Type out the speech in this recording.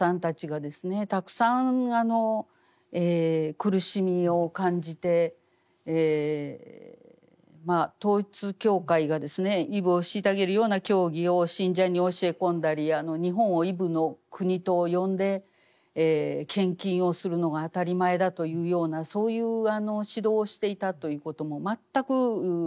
たくさん苦しみを感じて統一教会がですねイブを虐げるような教義を信者に教え込んだり日本をイブの国と呼んで献金をするのが当たり前だというようなそういう指導をしていたということも全く私は知らずに来ました。